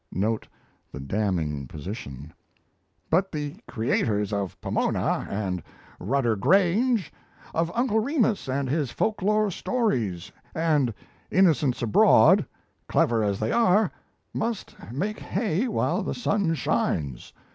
[Note the damning position!] But the creators of `Pomona' and 'Rudder Grange,' of `Uncle Remus and his Folk lore Stories,' and `Innocents Abroad,' clever as they are, must make hay while the sun shines.